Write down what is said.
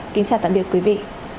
kính chào tạm biệt quý vị